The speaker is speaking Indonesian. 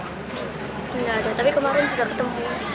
tidak ada tapi kemarin sudah ketemu